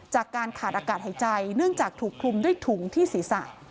จากการขาดอากาศหายใจเนื่องจากถูกคลุมด้วยถุงที่ศีรษะ